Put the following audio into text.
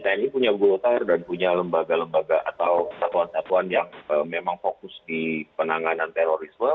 tni punya golkar dan punya lembaga lembaga atau satuan satuan yang memang fokus di penanganan terorisme